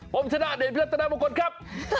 ผมชนะเดชพิรัตนามงคลครับ